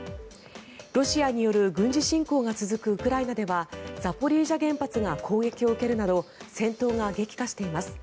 ロシアによる軍事侵攻が続くウクライナではザポリージャ原発が攻撃を受けるなど戦闘が激化しています。